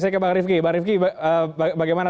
saya ke pak rifqi pak rifqi bagaimana